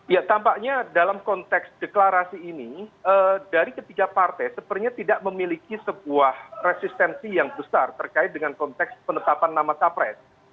ya tampaknya dalam konteks deklarasi ini dari ketiga partai sepertinya tidak memiliki sebuah resistensi yang besar terkait dengan konteks penetapan nama capres